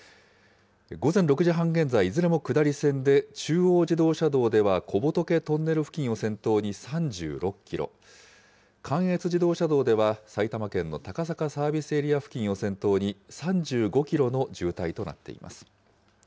午前６時半現在、いずれも下り線で、中央自動車道では小仏トンネル付近を先頭に３６キロ、関越自動車道では埼玉県の高坂サービスエリア付近を先頭に３５キロの渋滞となっています。